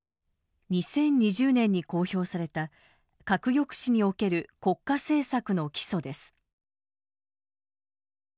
２０２０年に公表された「核抑止における国家政策の基礎」です。